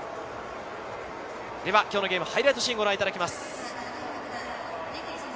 では今日のゲーム、ハイライトシーンをご覧いただきます。